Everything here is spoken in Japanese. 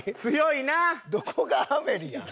どこが『アメリ』やん？